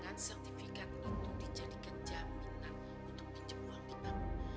jangan sertifikat itu dijadikan jaminan untuk pinjem uang kita